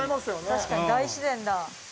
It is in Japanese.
確かに、大自然だ。